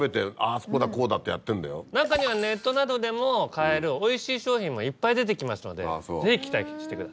中にはネットなどでも買えるおいしい商品もいっぱい出てきますのでぜひ期待してください。